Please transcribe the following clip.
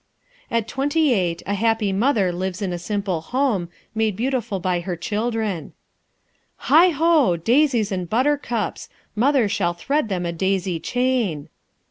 At twenty eight, the happy mother lives in a simple home, made beautiful by her children: "Heigho! daisies and buttercups! Mother shall thread them a daisy chain."